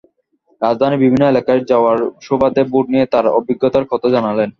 রাজধানীর বিভিন্ন এলাকায় যাওয়ার সুবাদে ভোট নিয়ে তাঁর অভিজ্ঞতার কথা জানালেন।